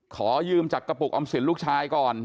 ขอยืมจากกระปุกออมสินลูกชายก่อน